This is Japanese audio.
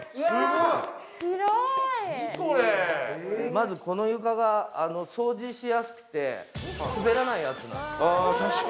まずこの床が掃除しやすくて滑らないやつなんです。